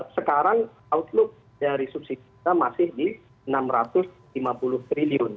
sekarang outlook dari subsidi kita masih di rp enam ratus lima puluh triliun